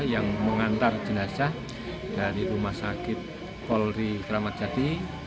yang mengantar jenazah dari rumah sakit polri kramat jati